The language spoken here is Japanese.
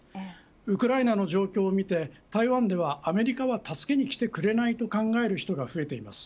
ウクライナの状況を見て台湾ではアメリカは助けに来てくれないと考える人が増えています。